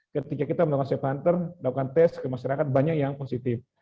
ketika kita melakukan self hunter melakukan tes ke masyarakat banyak yang positif